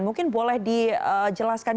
mungkin boleh dijelaskan